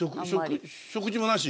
食事もなし？